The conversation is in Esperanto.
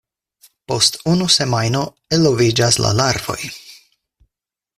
Post unu semajno eloviĝas la larvoj.